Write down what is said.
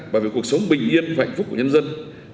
bảo vệ cuộc sống bình yên và hạnh phúc của nhân dân